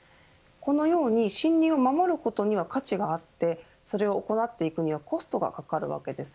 このように森林を守ることには価値があってそれを行っていくにはコストがかかるわけです。